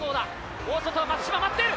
大外、松島、待っている！